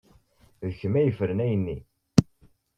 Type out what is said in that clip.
D kemm ay ifernen ayenni.